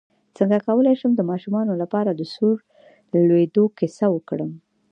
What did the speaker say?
څنګه کولی شم د ماشومانو لپاره د سور لویدو کیسه وکړم